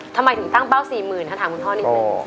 ทำไมถึงตั้งเป้า๔๐๐๐ถ้าถามคุณพ่อนิดนึง